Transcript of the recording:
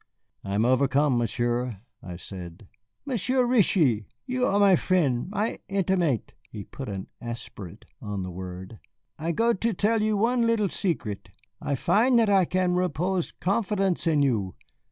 "I am overcome, Monsieur," I said. "Monsieur Reetchie, you are my friend, my intimate" (he put an aspirate on the word). "I go to tell you one leetle secret. I find that I can repose confidence in you.